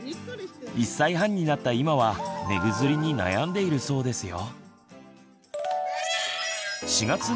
１歳半になった今は寝ぐずりに悩んでいるそうですよ。